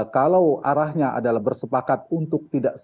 kalau arahnya adalah bersepakat untuk tidak